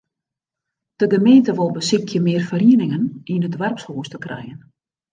De gemeente wol besykje mear ferieningen yn it doarpshûs te krijen.